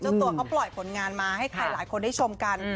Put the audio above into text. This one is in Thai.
ตัวเขาปล่อยผลงานมาให้ใครหลายคนได้ชมกัน